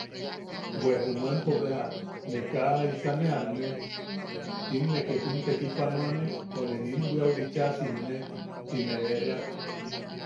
Bwe junuenpo beja, ne kaa... “¿jaisa ne anne?” “¿im ne ketun tekipanoane o ne nim bwiaʼu bichaa siimne?” ti ne eʼeak.